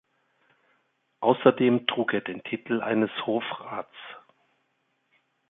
Außerdem trug er den Titel eines Hofrats.